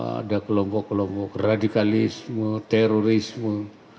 ada kelompok kelompok radikalisme terorisme